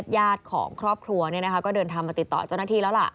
ญาติของครอบครัวก็เดินทางมาติดต่อเจ้าหน้าที่แล้วล่ะ